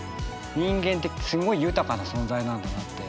人間ってすごい豊かな存在なんだなって。